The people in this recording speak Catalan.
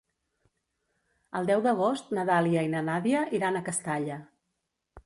El deu d'agost na Dàlia i na Nàdia iran a Castalla.